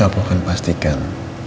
aku akan pastikan